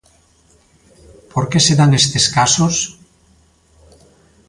¿Por que se dan estes casos?